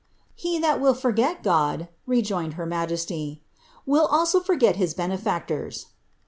He that will forget God," rejoined her majesty, will also forget his benefactors."